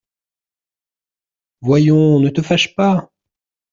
Voyons, ne te fâche pas…